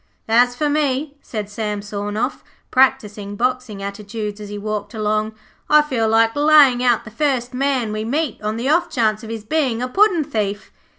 'As for me,' said Sam Sawnoff, practising boxing attitudes as he walked along, 'I feel like laying out the first man we meet on the off chance of his being a puddin' thief.'